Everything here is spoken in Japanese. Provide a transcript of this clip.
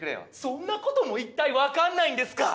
そんな事も一体わかんないんですか？